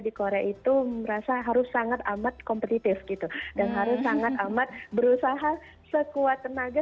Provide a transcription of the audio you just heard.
di korea itu merasa harus sangat amat kompetitif gitu dan harus sangat amat berusaha sekuat tenaga